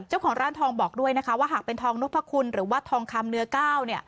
เจ้าของร้านทองบอกด้วยนะคะว่าหากเป็นทองนพคุณหรือว่าทองคำเนื้อก้าว